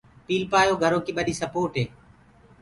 پيٚلپآيو گھرو ڪي ٻڏي سپوٽ هي۔